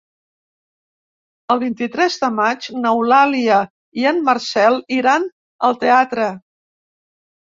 El vint-i-tres de maig n'Eulàlia i en Marcel iran al teatre.